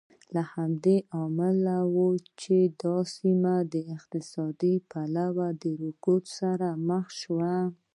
همدا لامل و چې دا سیمه له اقتصادي پلوه رکود سره مخ شوه.